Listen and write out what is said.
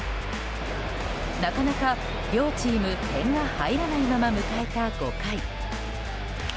なかなか両チーム点が入らないまま迎えた５回。